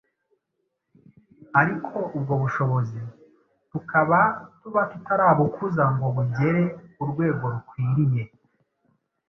Ariko ubwo bushobozi tukaba tuba tutarabukuza ngo bugere ku rwego rukwiriye